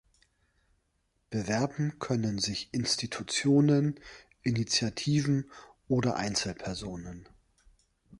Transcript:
Bewerben können sich Institutionen, Initiativen oder Einzelpersonen.